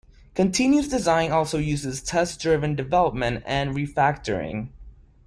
Continuous design also uses test driven development and refactoring.